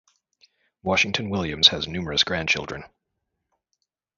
Washington-Williams has numerous grandchildren.